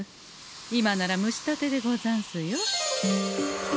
今なら蒸したてでござんすよ。